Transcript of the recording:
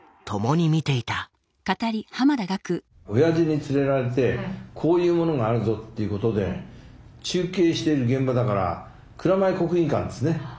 おやじに連れられてこういうものがあるぞっていうことで中継してる現場だから蔵前国技館ですね。